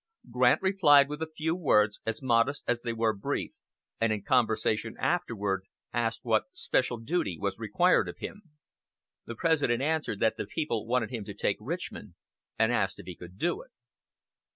Grant replied with a few words, as modest as they were brief, and in conversation afterward asked what special duty was required of him. The President answered that the people wanted him to take Richmond, and asked if he could do it.